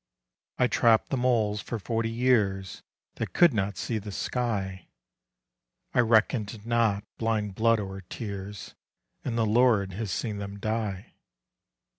1 1 trapp'd the moles for forty years That could not see the sky, I reckoned not blind blood or tears, And the Lord has seen them die.